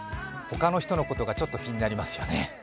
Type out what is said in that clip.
他の人のことがちょっと気になりますよね。